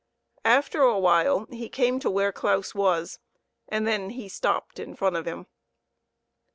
After a while he came to where Claus was, and then he stopped in front o him.